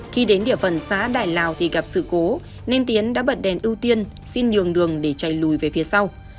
khi đến địa phần xã đại lào thì gặp sự cố nên tiến đã bật đèn ưu tiên xin nhường đường để chạy lùi về phía sau